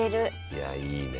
いやいいね。